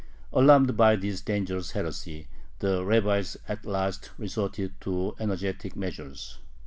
Alarmed by this dangerous heresy, the rabbis at last resorted to energetic measures.